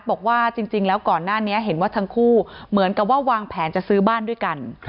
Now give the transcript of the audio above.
บอกว่าจริงแล้วก่อนหน้านี้เห็นว่าทั้งคู่เหมือนกับว่าวางแผนจะซื้อบ้านด้วยกัน